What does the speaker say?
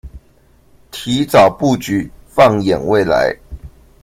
提早布局放眼未來